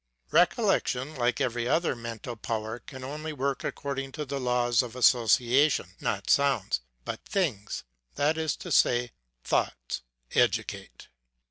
Recollection, like every other mental power, can only work according to the laws of association; not sounds, but things, that is to say, thoughts, educate.